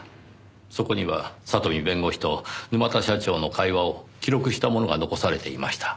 そこには里見弁護士と沼田社長の会話を記録したものが残されていました。